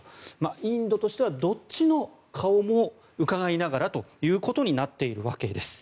インドとしてはどっちの顔もうかがいながらということになっているわけです。